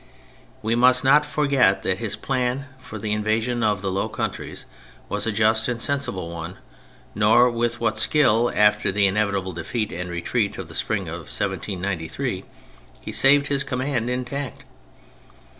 We must not forget that his plan for the invasion of the Low Countries was a just and sensible one, nor with what skill, after the inevitable defeat and retreat of the spring of 1793, he saved his command intact.